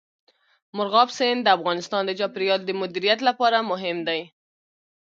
مورغاب سیند د افغانستان د چاپیریال د مدیریت لپاره مهم دي.